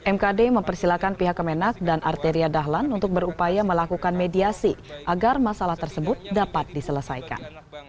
mkd mempersilahkan pihak kemenak dan arteria dahlan untuk berupaya melakukan mediasi agar masalah tersebut dapat diselesaikan